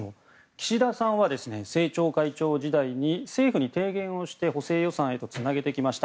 岸田さんは政調会長時代に政府に提言して補正予算へとつなげてきました。